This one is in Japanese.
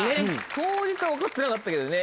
当日は分かってなかったけどね。